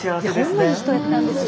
いい人やったんですよ。